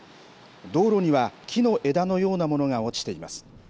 道路には木の枝のようなものが落ちています。